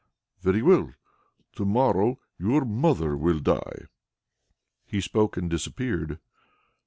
"Very well! To morrow your mother will die." He spoke and disappeared.